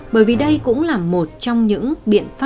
bởi vì đây cũng là một trong những biện pháp